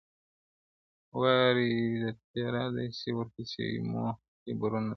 واری د تېراه دی ورپسې مو خیبرونه دي-